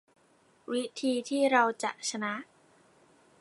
ฉันไม่เคยเห็นมาก่อนสักอันหรือเคยได้ยินมาก่อน อลิซกล่าว